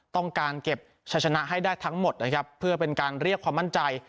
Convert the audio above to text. ต้องการเก็บชะชนะให้ได้ทั้งหมดนะครับเพื่อเป็นการเรียกความมั่นใจ